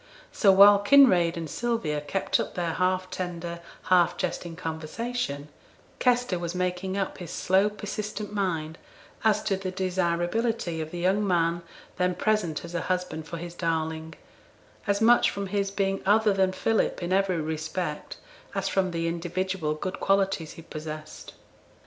So, while Kinraid and Sylvia kept up their half tender, half jesting conversation, Kester was making up his slow persistent mind as to the desirability of the young man then present as a husband for his darling, as much from his being other than Philip in every respect, as from the individual good qualities he possessed.